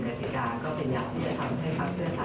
อย่างที่เรียนนะครับว่าโดยกฎิกาเนี่ยเราก็พูดกันหลายครั้งแล้วว่า